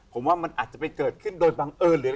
ผมว่ามันอาจจะไปเกิดขึ้นโดยบังเอิญหรือ